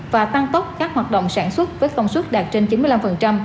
và tăng tốc các hoạt động sản xuất với công suất đạt trên chín mươi năm